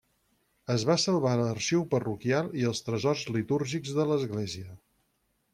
Es va salvar l'arxiu parroquial i els tresors litúrgics de l'església.